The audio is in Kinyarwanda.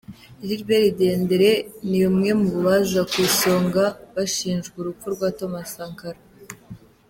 Gilbert Diendéré ni umwe mu baza ku isonga bashinjwa urupfu rwa Thomas Sankara.